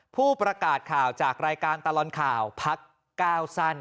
ผู้ประกาศข่าวจากรายการตลอดข่าวพักก้าวสั้น